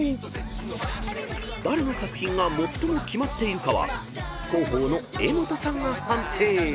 ［誰の作品が最もキマっているかは広報の江本さんが判定］